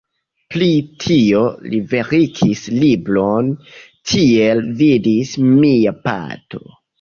Pri tio li verkis libron "Tiel vidis mia patro".